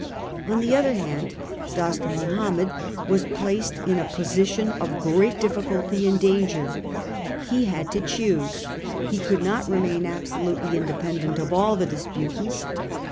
On the other hand, Dost Mahomed was placed in a position of great diffi culty and danger. He had to choose. He could not remain absolutely independent of all the dis putants.